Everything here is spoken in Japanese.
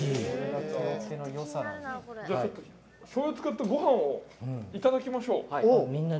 しょうゆを使ったごはんをいただきましょう。